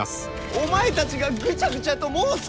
お前たちがぐちゃぐちゃと申すから！